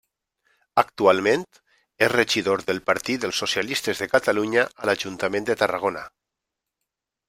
Actualment, és regidor del Partit dels Socialistes de Catalunya a l'Ajuntament de Tarragona.